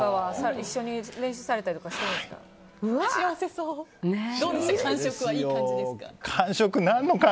一緒に練習されたりしてるんですか。